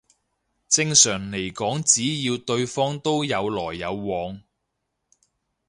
正常嚟講只要對方都有來有往